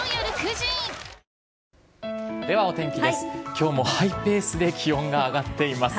今日もハイペースで気温が上がっています。